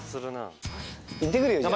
行ってくるよじゃあ。